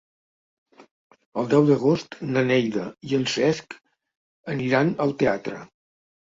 El deu d'agost na Neida i en Cesc aniran al teatre.